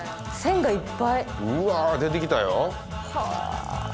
うわ出てきたよ。